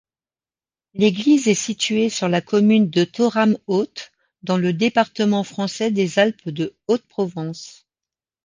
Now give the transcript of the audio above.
L'église est située sur la commune de Thorame-Haute, dans le département français des Alpes-de-Haute-Provence.